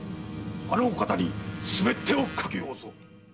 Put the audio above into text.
あのお方にすべてを賭けようぞ！